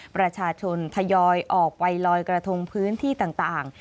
ประชาชนทยอยออกไปลอยกระทงพื้นที่ต่าง